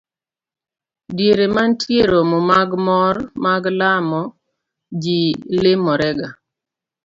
Diere mantie romo mag mor mag lamo, ji limorega